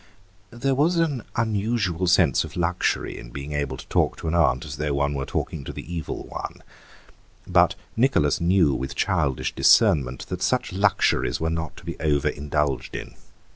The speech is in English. There was an unusual sense of luxury in being able to talk to an aunt as though one was talking to the Evil One, but Nicholas knew, with childish discernment, that such luxuries were not to be over indulged in.